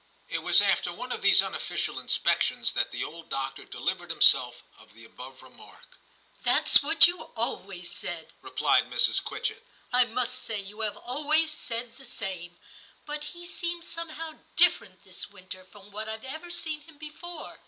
It was after one of these unofficial inspections that the old doctor delivered himself of the above remark. * That's what you always said,' replied Mrs. Quitchett ;* I must say you have always said the same ; but he seems somehow different this winter from what IVe ever seen him before.'